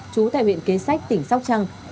chú tại huyện kế sách tỉnh sóc trăng